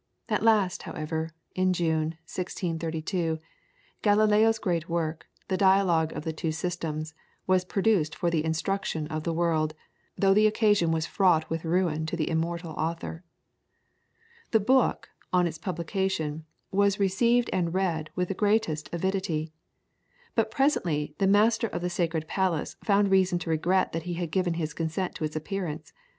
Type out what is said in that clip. At last, however, in June, 1632, Galileo's great work, "The Dialogue of the two Systems," was produced for the instruction of the world, though the occasion was fraught with ruin to the immortal author. [PLATE: FACSIMILE SKETCH OF LUNAR SURFACE BY GALILEO.] The book, on its publication, was received and read with the greatest avidity. But presently the Master of The Sacred Palace found reason to regret that he had given his consent to its appearance.